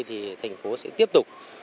thì thành phố sẽ tiếp tục